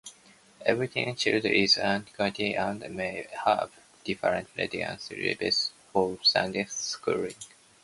Every child is unique and may have different readiness levels for structured schooling.